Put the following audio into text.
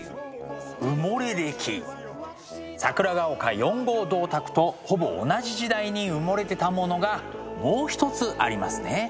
埋もれ歴！桜ヶ丘４号銅鐸とほぼ同じ時代に埋もれてたものがもう一つありますね。